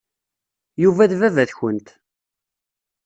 Yuba d baba-tkent.